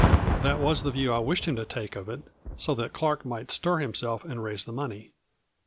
That was the view I wished him to take of it, so that Clark might stir himself and raise the money.